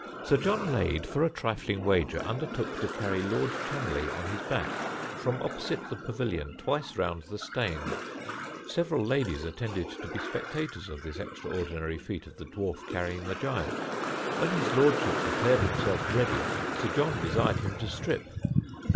Sir John Lade, for a trifling wager, undertook to carry Lord Cholmondeley on his back, from opposite the Pavilion twice round the Steine. Several ladies attended to be spectators of this extraordinary feat of the dwarf carrying the giant. When His Lordship declared himself ready, Sir John desired him to strip.